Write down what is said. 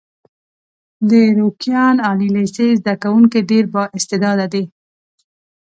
د روکيان عالي لیسې زده کوونکي ډېر با استعداده دي.